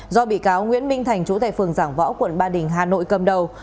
do bị cáo nguyễn minh thành chủ tài phường giảng võ quận ba đình hà nội cầm đầu